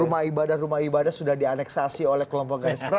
rumah ibadah rumah ibadah sudah dianeksasi oleh kelompok garis keras